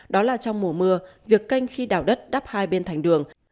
đó là trong mùa mưa việc canh khi đào đất đắp hai bên thành đường